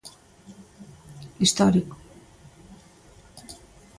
"Histórico".